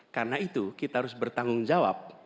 karena itu kita harus bertanggung jawab